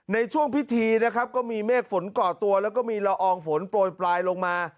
ในช่วงพิธีนะครับก็มีเมฆฝนก่อตัวแล้วก็มีละอองฝนโปรยปลายลงมา